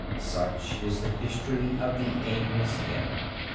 ] Such is the history of the aimless hen.